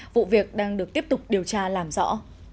vụ việc đang được tiếp tục điều tra làm rõ